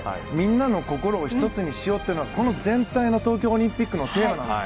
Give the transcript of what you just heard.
感動でみんなの心を１つにしようというのは全体の東京オリンピックのテーマです。